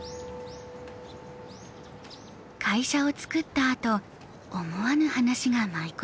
会社を作ったあと思わぬ話が舞い込みました。